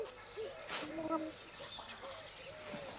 আম্মু, আমি সুসু করবো।